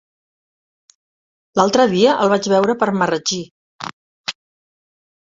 L'altre dia el vaig veure per Marratxí.